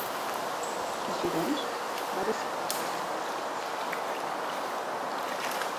Així doncs, va decidir casar les tres a altres homes.